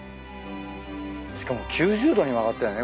しかも９０度に曲がったよね。